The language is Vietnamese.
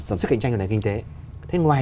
sản xuất cạnh tranh của nền kinh tế thế ngoài